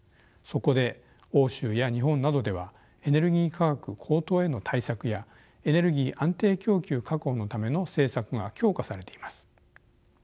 そこで欧州や日本などではエネルギー価格高騰への対策やエネルギー安定供給確保のための政策が強化されています。